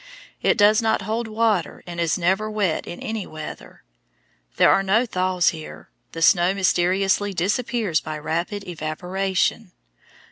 It does not hold water, and is never wet in any weather. There are no thaws here. The snow mysteriously disappears by rapid evaporation.